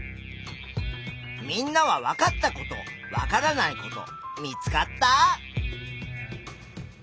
みんなはわかったことわからないこと見つかった？